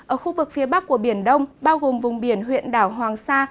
ở khu vực phía bắc của biển đông bao gồm vùng biển huyện đảo hoàng sa